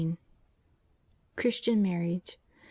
5. CHRISTIAN MARRIAGE.